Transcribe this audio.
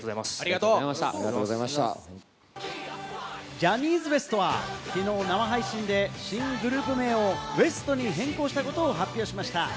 ジャニーズＷＥＳＴは、きのう生配信で新グループ名をＷＥＳＴ．に変更したことを発表しました。